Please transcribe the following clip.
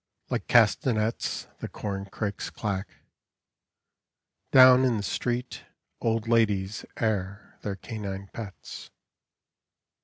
Like castenets The corn crakes clack ; down in the street Old ladies air their canine pets.